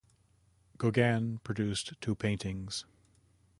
Gauguin produced two paintings.